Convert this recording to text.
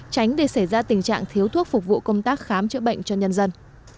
tránh để xảy ra tình trạng thiếu thuốc phục vụ công tác khám chữa bệnh cho nhân dân